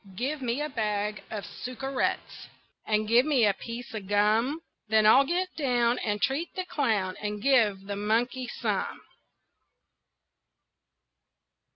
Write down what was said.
Give me a bag of suckerettes And give me a piece of gum, Then I'll get down And treat the clown, And give the monkey some.